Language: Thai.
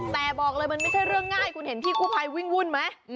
แต่บอกเลยมันไม่ใช่เรื่องง่ายคุณเห็นพี่กู้ภัยวิ่งวุ่นไหม